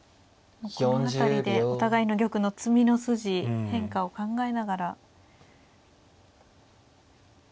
もうこの辺りでお互いの玉の詰みの筋変化を考えながら。